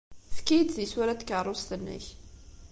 Efk-iyi-d tisura n tkeṛṛust-nnek.